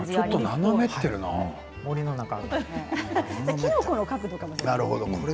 きのこの角度かもしれません。